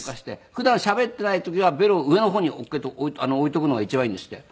普段しゃべっていない時はベロを上の方に置いとくのが一番いいんですって。